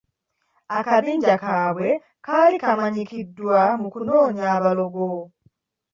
Akabinja kaabwe kaali kamanyikiddwa mu kunoonya abalogo.